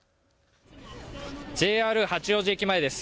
ＪＲ八王子駅前です。